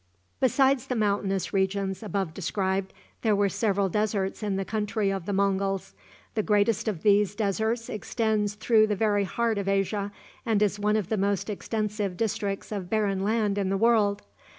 Besides the mountainous regions above described, there were several deserts in the country of the Monguls. The greatest of these deserts extends through the very heart of Asia, and is one of the most extensive districts of barren land in the world.